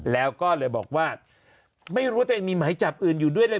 แล้วก็เลยบอกว่าไม่รู้ว่าตัวเองมีหมายจับอื่นอยู่ด้วยเลย